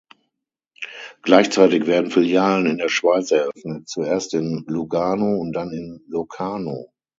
Gleichzeitig werden Filialen in der Schweiz eröffnet; zuerst in Lugano und dann in Locarno.